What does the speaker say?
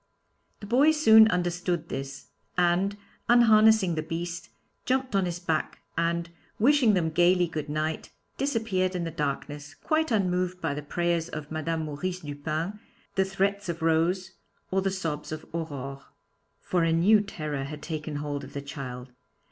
The boy soon understood this, and, unharnessing the beast, jumped on his back and, wishing them gaily good night, disappeared in the darkness, quite unmoved by the prayers of Madame Maurice Dupin, the threats of Rose, or the sobs of Aurore. For a new terror had taken hold of the child.